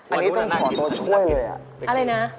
อันนี้ต้องขอตัวช่วยเลย